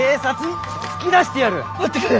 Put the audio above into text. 待ってくれ！